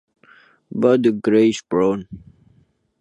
Body greyish brown.